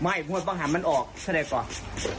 ไม่เพราะว่าป้องหามันออกจะได้ก่อน